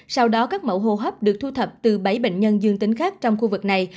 sau đó các mẫu hô hấp được thu thập từ bảy bệnh nhân dương tính khác trong khu vực này